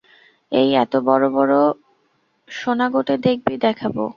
এই এত বড় বড় সোনাগোটে-দেখবি, দেখাবো?